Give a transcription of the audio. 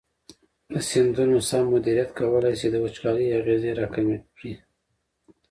د سیندونو سم مدیریت کولی شي د وچکالۍ اغېزې راکمې کړي.